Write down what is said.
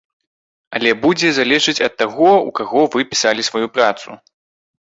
Але будзе залежыць ад таго, у каго вы пісалі сваю працу.